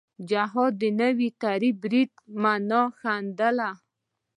جهاد نوی تعریف برید معنا ښندله